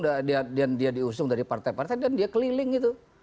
dan dia diusung dari partai partai dan dia keliling gitu